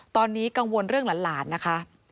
ตอนนี้กังวลเรื่องหลานนะคะ